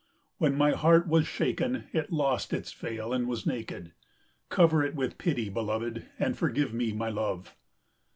When my heart was shaken it lost its veil and was naked. Cover it with pity, beloved, and forgive me my love.